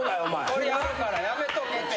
怒りはるからやめとけって。